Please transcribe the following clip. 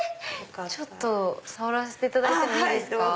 ちょっと触らせていただいていいですか？